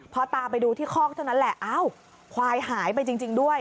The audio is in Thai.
พอตาไปดูที่คอกเท่านั้นแหละอ้าวควายหายไปจริงด้วย